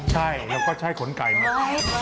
ใช่แล้วก็ใช้ขนไก่มาก